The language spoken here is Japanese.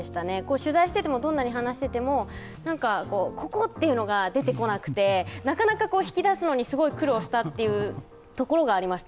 取材していても、どんなに話していても、ここというのが出てこなくてなかなか引き出すのに苦労したというところがありました。